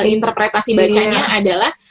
interpretasi bacanya adalah